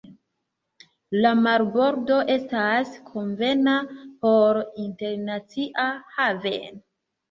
La marbordo estas konvena por internacia haveno.